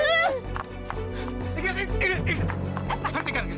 hentikan sekarang juga